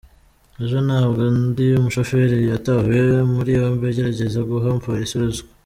Ejo nabwo undi mushoferi yatawe muri yombi agerageza guha umupolisi ruswa.